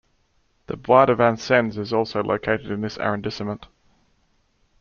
The Bois de Vincennes is also located in this arrondissement.